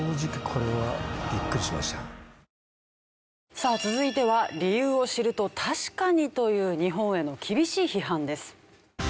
さあ続いては理由を知ると確かにという日本への厳しい批判です。